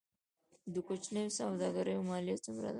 د کوچنیو سوداګریو مالیه څومره ده؟